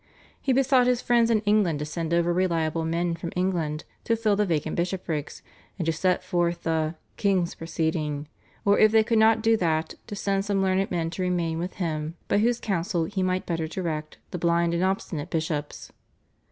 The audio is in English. He besought his friends in England to send over reliable men from England to fill the vacant bishoprics and to set forth the "king's proceeding," or if they could not do that, to send some learned men to remain with him by whose counsel he might better direct "the blind and obstinate bishops."